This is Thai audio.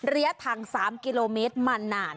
ระยะทาง๓กิโลเมตรมานาน